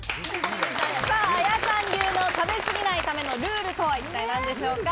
さあＡＹＡさん流の食べ過ぎないためのルールとは一体何でしょうか？